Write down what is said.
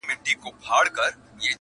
ما د عشق سبق ویلی ستا د مخ په سېپارو کي،